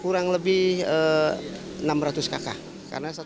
kurang lebih enam ratus kakak